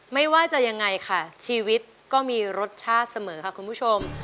ไม่ว่าจะยังไงค่ะชีวิตก็มีรสชาติเสมอค่ะคุณผู้ชม